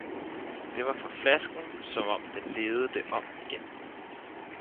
det var for flasken, som om den levede det om igen!